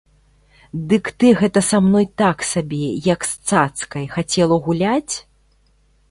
Дык ты гэта са мной так сабе, як з цацкай, хацела гуляць?